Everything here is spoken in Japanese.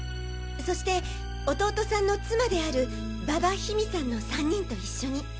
そして弟さんの妻である馬場緋美さんの３人と一緒に。